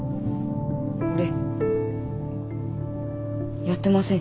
俺やってません。